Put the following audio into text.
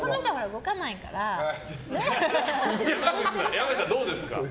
山口さん、どうですか？